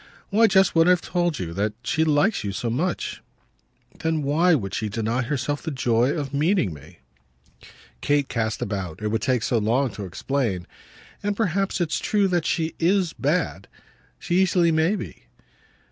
"Why just what I've told you that she likes you so much." "Then why should she deny herself the joy of meeting me?" Kate cast about it would take so long to explain. "And perhaps it's true that she IS bad. She easily may be."